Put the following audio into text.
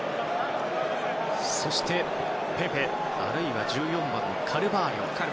そして、ペペあるいは１４番のカルバーリョ